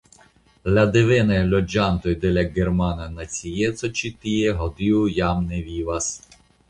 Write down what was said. La devenaj loĝantoj de la germana nacieco ĉi tie hodiaŭ jam ne vivas.